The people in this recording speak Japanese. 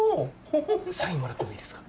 サインもらってもいいですか？